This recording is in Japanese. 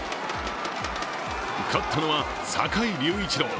勝ったのは坂井隆一郎。